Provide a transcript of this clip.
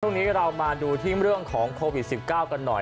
ช่วงนี้เรามาดูที่เรื่องของโควิด๑๙กันหน่อย